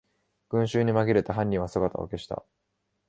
群集にまぎれて犯人は姿を消した